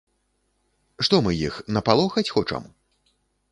Што, мы іх напалохаць хочам?